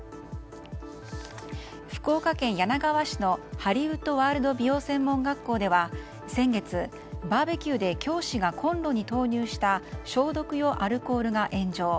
福岡県柳川市のハリウッドワールド美容専門学校では先月、バーベキューで教師がコンロに投入した消毒用アルコールが炎上。